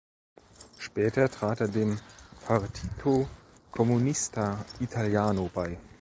Später trat er dem Partito Comunista Italiano bei.